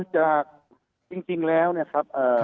จากจริงแล้วครับ